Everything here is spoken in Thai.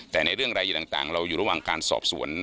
แต่ในเรื่องอะไรอย่างต่างเราอยู่ระหว่างการสอบสวน